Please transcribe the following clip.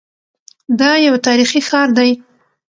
دا یو تاریخي ښار دی.